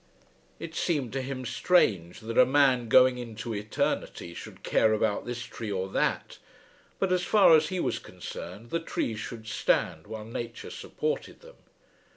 It seemed to him strange that a man going into eternity should care about this tree or that; but as far as he was concerned the trees should stand while Nature supported them.